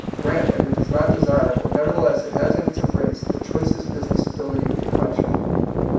Grant that it is not desirable, nevertheless it has in its embi*ace the choicest business ability of the country.